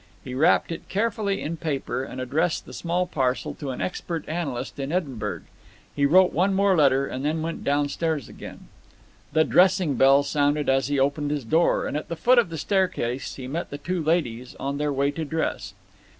He wrapped it carefully in paper, and addressed the small parcel to an expert analyst in Edinburgh. He wrote one more letter, and then went downstairs again. The dressing bell sounded as he opened his door, and at the foot of the staircase he met the two ladies on their way to dress.